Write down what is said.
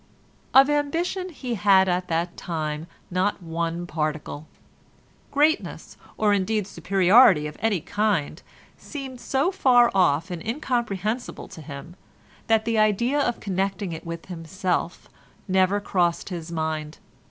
Of ambition he had at that time not one particle; greatness, or indeed superiority of any kind, seemed so far off and incomprehensible to him that the idea of connecting it with himself never crossed his mind.